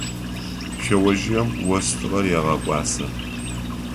Шъэожъыем остыгъэр егъэкӏуасэ.